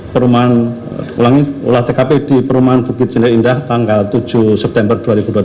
perumahan ulangi olah tkp di perumahan bukit jendari indah tanggal tujuh september dua ribu dua puluh